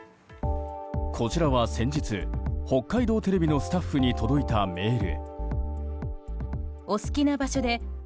こちらは先日、北海道テレビのスタッフに届いたメール。